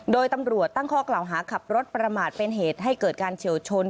โดยตำรวจตั้งข้อกล่าวหาขับรถประมาทเป็นเหตุให้เกิดการเฉียวชน